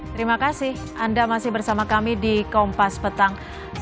terima kasih anda masih bersama kami di kompas petang